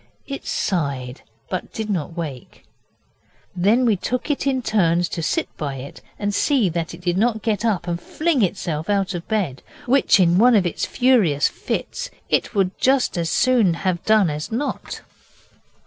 It sighed, but did not wake. Then we took it in turns to sit by it and see that it did not get up and fling itself out of bed, which, in one of its furious fits, it would just as soon have done as not.